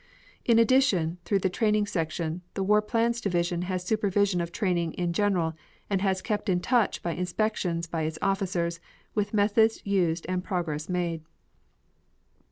In addition, through the Training Section, the War Plans Division has supervision of training in general and has kept in touch by inspections by its officers with methods used and progress made.